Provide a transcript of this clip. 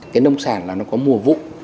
cái nông sản là nó có mùa vụ